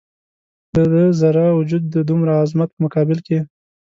د ده ذرې وجود د دومره عظمت په مقابل کې.